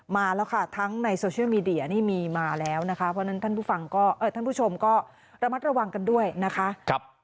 มาแล้วค่ะทั้งในโซเชียลมีเดียนี่มีมาแล้วนะคะเพราะฉะนั้นท่านผู้ฟังก็ท่านผู้ชมก็ระมัดระวังกันด้วยนะคะ